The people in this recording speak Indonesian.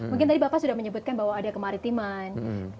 mungkin tadi bapak sudah menyebutkan bahwa ada kemaritiman